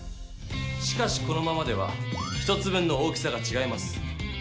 しかしこのままでは１つ分の大きさがちがいます。